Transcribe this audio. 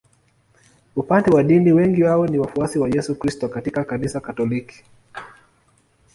Upande wa dini wengi wao ni wafuasi wa Yesu Kristo katika Kanisa Katoliki.